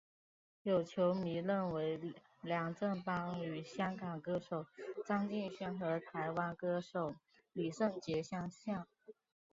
有球迷认为梁振邦与香港歌手张敬轩和台湾歌手李圣杰相像。